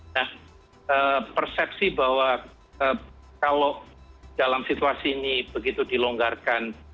nah persepsi bahwa kalau dalam situasi ini begitu dilonggarkan